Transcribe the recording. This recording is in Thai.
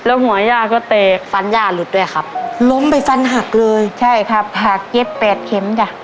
แล้วหัวย่าก็แตกฟันย่าหลุดด้วยครับล้มไปฟันหักเลยใช่ครับหักเย็บแปดเข็มจ้ะ